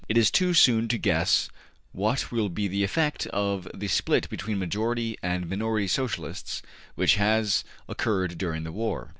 It is too soon to guess what will be the effect of the split between Majority and Minority Socialists which has occurred during the war.